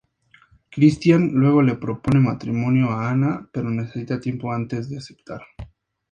Christian luego le propone matrimonio a Ana, pero necesita tiempo antes de aceptar.